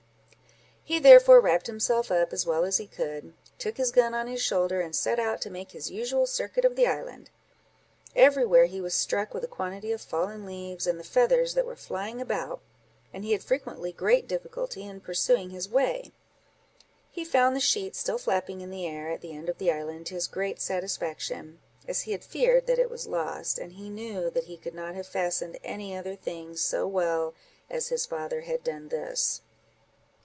He therefore wrapt himself up, as well as he could, took his gun on his shoulder, and set out to make his usual circuit of the island. Every where he was struck with the quantity of fallen leaves, and the feathers that were flying about, and he had frequently great difficulty in pursuing his way. He found the sheet still flapping in the air, at the end of the island, to his great satisfaction, as he had feared that it was lost, and he knew that he could not have fastened any other thing so well as his father had done this.